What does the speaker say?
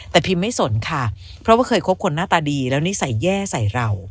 แต่พิมไม่สนค่ะเพราะว่าเคยคบคนหน้าตาดีแล้วนิสัยแย่ใส่เรา